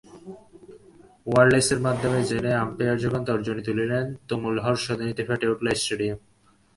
ওয়্যারলেসের মাধ্যমে জেনে আম্পায়ার যখন তর্জনী তুললেন, তুমুল হর্ষধ্বনিতে ফেটে পড়ল স্টেডিয়াম।